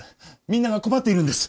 みんなが困っているんです。